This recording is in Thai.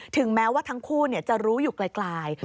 ถึงแม้ว่าทั้งคู่จะรู้อยู่ไกล